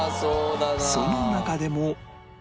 その中でも